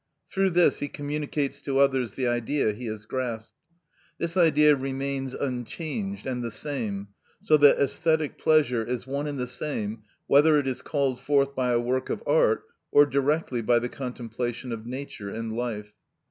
Through this he communicates to others the Idea he has grasped. This Idea remains unchanged and the same, so that æsthetic pleasure is one and the same whether it is called forth by a work of art or directly by the contemplation of nature and life.